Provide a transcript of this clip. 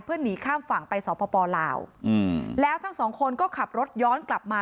หนีข้ามฝั่งไปสปลาวแล้วทั้งสองคนก็ขับรถย้อนกลับมา